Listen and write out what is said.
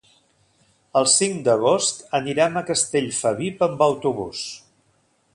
El cinc d'agost anirem a Castellfabib amb autobús.